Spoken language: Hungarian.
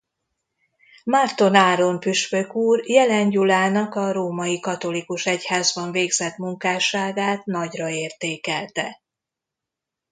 Márton Áron püspök úr Jelen Gyulának a Római Katolikus Egyházban végzett munkásságát nagyra értékelte.